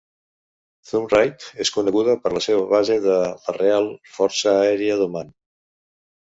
Thumrait és coneguda per la seva base de la Real Força Aèria d'Oman.